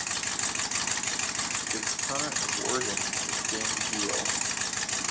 Its current warden is James Beale.